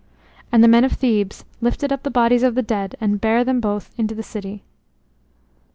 And the men of Thebes lifted up the bodies of the dead and bare them both into the city.